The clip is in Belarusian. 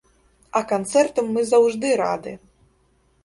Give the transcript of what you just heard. А канцэртам мы заўжды рады!